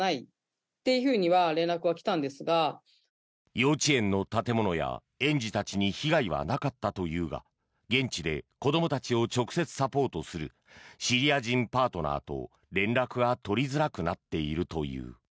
幼稚園の建物や園児たちに被害はなかったというが現地で子どもたちを直接サポートするシリア人パートナーと連絡が取りづらくなっているという。